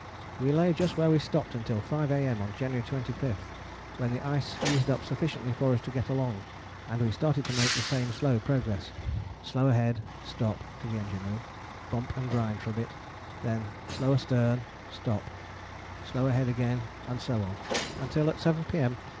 "We lay just where we stopped until at 5 A.M. on January 25, when the ice eased up sufficiently for us to get along, and we started to make the same slow progress slow ahead, stop (to the engine room) bump and grind for a bit then slow astern, stop slow ahead again, and so on, until at 7 P.M.